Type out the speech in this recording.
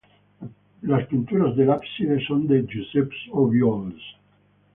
Las pinturas del ábside son de Josep Obiols.